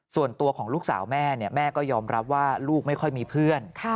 ส่วนตัวของลูกสาวแม่แม่ก็ยอมรับว่าลูกไม่ค่อยมีเพื่อน